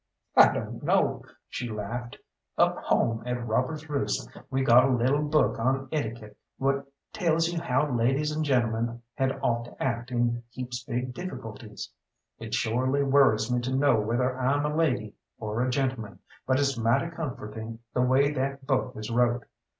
"I dunno," she laughed. "Up home at Robbers' Roost we got a lil' book on etiquette what tells you how ladies and gentlemen had ought to act in heaps big difficulties. It shorely worries me to know whether I'm a lady or a gentleman, but it's mighty comfortin' the way that book is wrote.